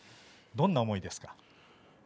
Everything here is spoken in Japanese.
どんな思いですか。